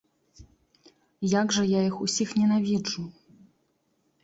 Як жа я іх усіх ненавіджу!